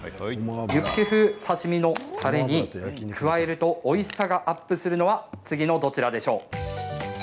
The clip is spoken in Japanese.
ユッケ風刺身のたれに加えるとおいしさがアップするのは次のどちらでしょう？